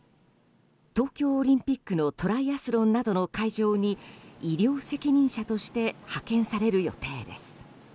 東京オリンピックのトライアスロンなどの会場に医療責任者として派遣される予定です。